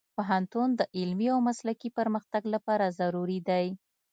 پوهنتون د علمي او مسلکي پرمختګ لپاره ضروري دی.